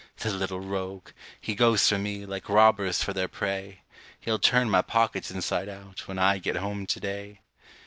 The little rogue! he goes for me, like robbers for their prey; He'll turn my pockets inside out, when I get home to day.